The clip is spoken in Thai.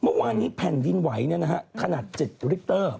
เมื่อวานนี้ผ่านดินไหวนี่นะฮะขนาด๗ริกเตอร์